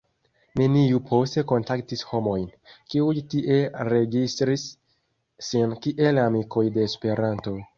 Neniu poste kontaktis homojn, kiuj tie registris sin kiel ”amikoj de Esperanto”.